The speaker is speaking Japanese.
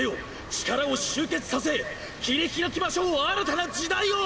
力を集結させ切り拓きましょう新たな時代を！